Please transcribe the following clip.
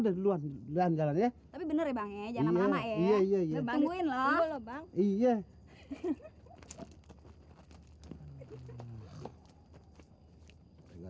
duluan dan jalan ya tapi bener banget jangan lama lama ya iya iya iya bangguin lah iya iya